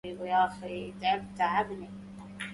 قل لمن يملك رقي